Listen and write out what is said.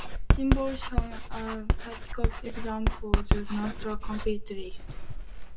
Symbols shown are typical examples, not a complete list.